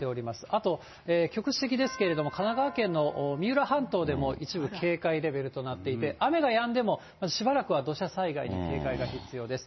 あと局地的ですけれども、神奈川県の三浦半島でも一部警戒レベルとなっていて、雨がやんでもしばらくは土砂災害に警戒が必要です。